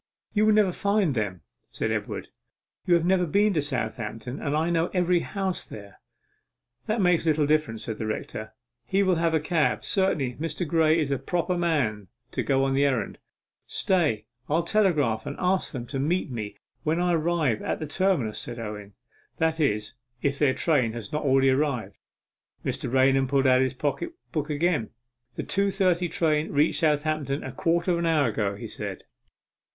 'You will never find them,' said Edward. 'You have never been to Southampton, and I know every house there.' 'That makes little difference,' said the rector; 'he will have a cab. Certainly Mr. Graye is the proper man to go on the errand.' 'Stay; I'll telegraph to ask them to meet me when I arrive at the terminus,' said Owen; 'that is, if their train has not already arrived.' Mr. Raunham pulled out his pocket book again. 'The two thirty train reached Southampton a quarter of an hour ago,' he said.